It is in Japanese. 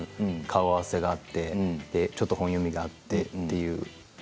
顔合わせがあってちょっと本読みがあってという。